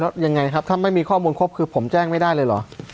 แล้วยังไงครับถ้าไม่มีข้อมูลครบคือผมแจ้งไม่ได้เลยเหรอ